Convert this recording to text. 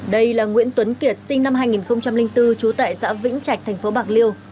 đây là nguyễn tuấn kiệt sinh năm hai nghìn bốn trú tại xã vĩnh trạch thành phố bạc liêu